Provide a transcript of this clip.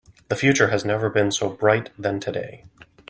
The future has never been so bright than today.